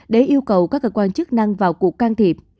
để yêu cầu các cơ quan chức năng vào cuộc can thiệp